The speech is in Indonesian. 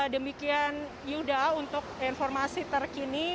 demikian yuda untuk informasi terkini